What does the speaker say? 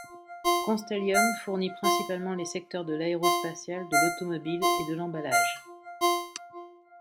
Constellium fournit principalement les secteurs de l'aérospatial, de l'automobile et de l'emballage.